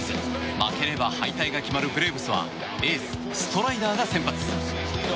負ければ敗退が決まるブレーブスはエース、ストライダーが先発。